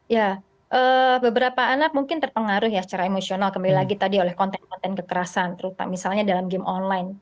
ya beberapa anak mungkin terpengaruh ya secara emosional kembali lagi tadi oleh konten konten kekerasan misalnya dalam game online